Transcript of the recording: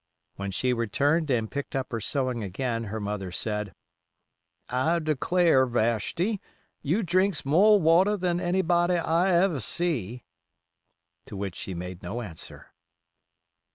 When she returned and picked up her sewing again, her mother said: "I de clar, Vashti, you drinks mo' water than anybody I ever see." To which she made no answer.